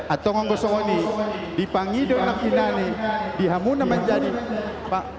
atau yang saya ingin katakan di penghidupan ini di halaman ini pak